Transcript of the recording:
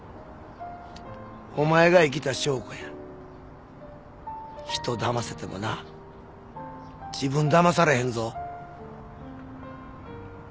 お前が生きた証拠や。人だませてもな自分だまされへんぞ。